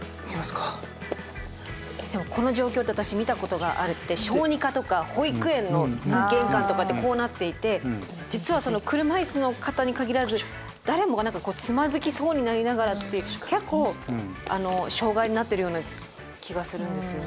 でもこの状況って私見たことがあって小児科とか保育園の玄関とかってこうなっていて実はその車いすの方に限らず誰もがつまずきそうになりながらって結構障害になっているような気がするんですよね。